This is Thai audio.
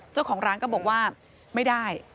เจ้าของร้านก็บอกว่าไม่ได้